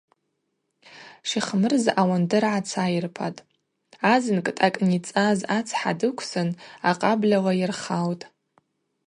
Шихмырза ауандыр гӏацайырпатӏ, азынкӏ дъакӏницӏаз ацхӏа дыквсын акъабльала йырхаутӏ.